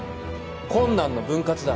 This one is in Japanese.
困難の分割だ。